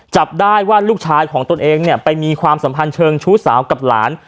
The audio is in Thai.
จับได้ว่าลูกชายของตนเองเนี่ยไปมีความสัมพันธ์เชิงชู้สาวกับหลาน